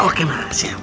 oke mama siap